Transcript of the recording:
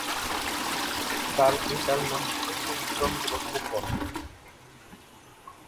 তার পিতার নাম অতুল চন্দ্র ফুকন।